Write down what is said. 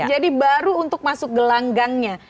jadi baru untuk masuk gelanggangnya